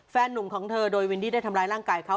หนุ่มของเธอโดยวินดี้ได้ทำร้ายร่างกายเขา